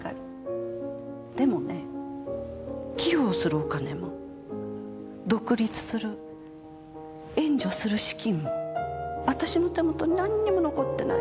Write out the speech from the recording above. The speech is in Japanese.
でもね寄付をするお金も独立する援助する資金も私の手元に何にも残ってない。